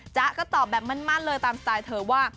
จ๊ะก็ตอบแบบมั่นเลยตามสไตล์เธอว่า